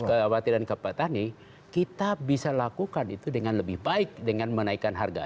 kekhawatiran ke petani kita bisa lakukan itu dengan lebih baik dengan menaikkan harga